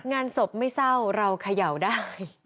งานศพไม่เศร้าเราเขย่าได้